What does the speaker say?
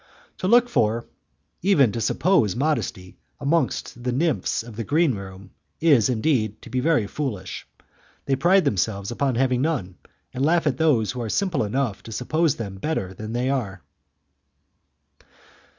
To look for, even to suppose, modesty, amongst the nymphs of the green room, is, indeed, to be very foolish; they pride themselves upon having none, and laugh at those who are simple enough to suppose them better than they are.